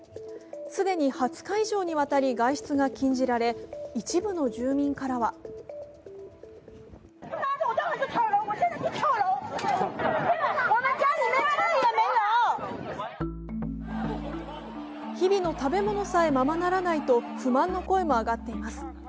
既に２０日以上にわたり外出が禁止され、一部の住民からは日々の食べ物さえままならないと不満の声も上がっています。